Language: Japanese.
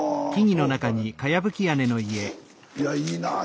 いやいいなあ。